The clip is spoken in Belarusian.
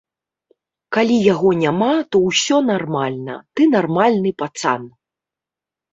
Калі яго няма, то ўсё нармальна, ты нармальны пацан.